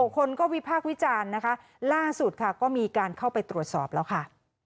คนก็วิพากษ์วิจารณ์นะคะล่าสุดค่ะก็มีการเข้าไปตรวจสอบแล้วค่ะ